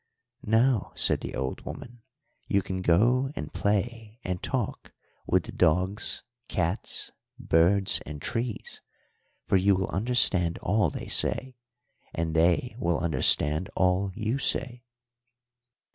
"'Now,' said the old woman, 'you can go and play and talk with the dogs, cats, birds, and trees, for you will understand all they say, and they will understand all you say.'